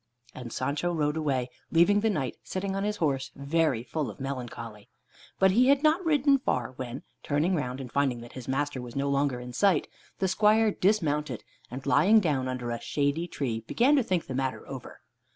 And Sancho rode away, leaving the Knight sitting on his horse, very full of melancholy. But he had not ridden far, when, turning round and finding that his master was no longer in sight, the squire dismounted, and lying down under a shady tree, began to think the matter over.